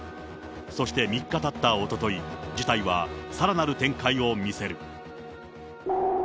そして、３日たったおととい、事態はさらなる展開を見せる。